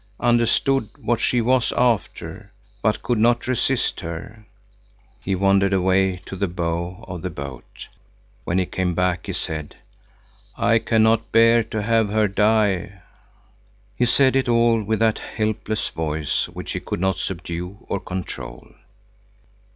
Understood what she was after, but could not resist her." He wandered away to the bow of the boat. When he came back he said: "I cannot bear to have her die." He said it all with that helpless voice, which he could not subdue or control.